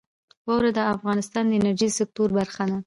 واوره د افغانستان د انرژۍ د سکتور برخه ده.